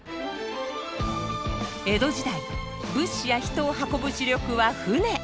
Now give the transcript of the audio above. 江戸時代物資や人を運ぶ主力は船。